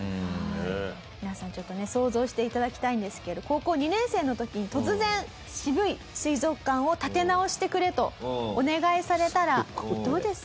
皆さんちょっとね想像していただきたいんですけど高校２年生の時に突然「渋い水族館を立て直してくれ」とお願いされたらどうです？